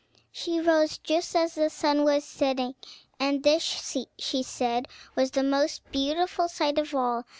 She rose just as the sun was setting, and this, she said, was the most beautiful sight of all.